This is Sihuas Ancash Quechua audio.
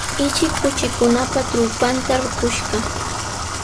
Ichik kuchikunapa trupanta ruqushqa.